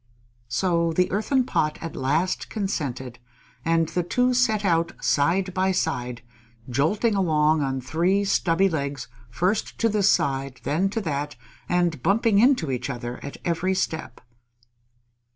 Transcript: So the Earthen Pot at last consented, and the two set out side by side, jolting along on three stubby legs first to this side, then to that, and bumping into each other at every step.